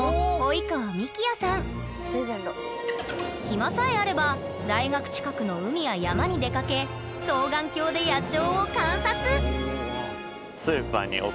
暇さえあれば大学近くの海や山に出かけ双眼鏡で野鳥を観察！